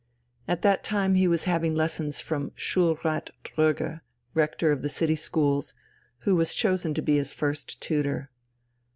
At that time he was having lessons from Schulrat Dröge, Rector of the city schools, who was chosen to be his first tutor.